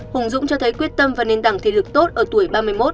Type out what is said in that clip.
hùng dũng cho thấy quyết tâm và nền đẳng thể lực tốt ở tuổi ba mươi một